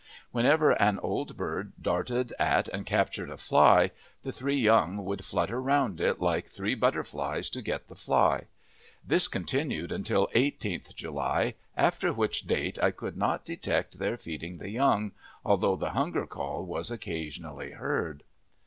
Whenever an old bird darted at and captured a fly the three young would flutter round it like three butterflies to get the fly. This continued until 18th July, after which date I could not detect their feeding the young, although the hunger call was occasionally heard.